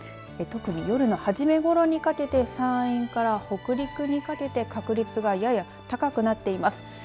特に夜の初めごろにかけて山陰から北陸にかけて確率がやや高くなっています。